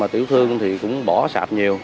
tiểu thương thì cũng bỏ sạp nhiều